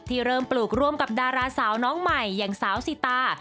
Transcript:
เริ่มปลูกร่วมกับดาราสาวน้องใหม่อย่างสาวสิตา